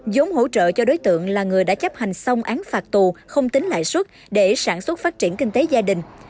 giống hỗ trợ cho đối tượng là người đã chấp hành xong án phạt tù không tính lại suất để sản xuất phát triển kinh tế gia đình